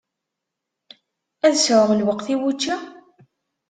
Ad sɛuɣ lweqt i wučči?